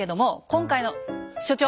今回の所長？